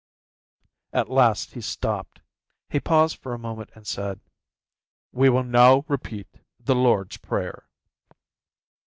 At last he stopped. He paused for a moment and said: "We will now repeat the Lord's prayer."